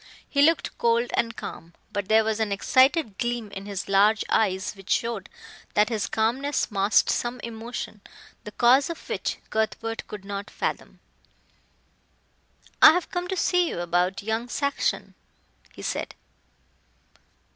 He looked cold and calm, but there was an excited gleam in his large eyes which showed that his calmness masked some emotion, the cause of which Cuthbert could not fathom. "I have come to see you about young Saxon," he said.